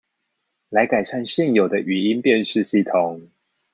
來改善現有的語音辨識系統